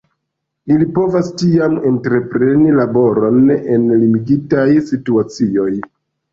Ili povas tiam entrepreni laboron en limigitaj situacioj.